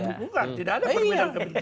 tidak ada perbedaan kepentingan